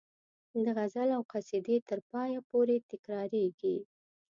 د غزل او قصیدې تر پایه پورې تکراریږي.